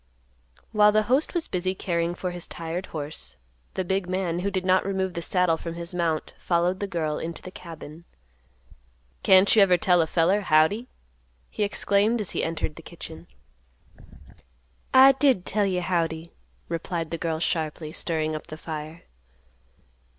While the host was busy caring for his tired horse, the big man, who did not remove the saddle from his mount, followed the girl into the cabin. "Can't you even tell a feller, Howdy?" he exclaimed, as he entered the kitchen. "I did tell you, Howdy," replied the girl sharply, stirring up the fire.